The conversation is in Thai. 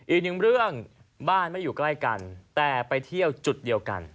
อีกหนึ่งเรื่องบ้านไม่อยู่ใกล้กันแต่ไปเที่ยวจุดเดียวกัน